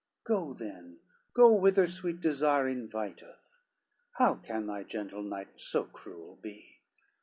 LXXIV "Go then, go, whither sweet desire inviteth, How can thy gentle knight so cruel be?